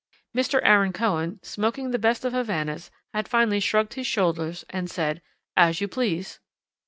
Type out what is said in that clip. "Mr. Aaron Cohen, smoking the best of Havanas, had finally shrugged his shoulders and said: 'As you please!'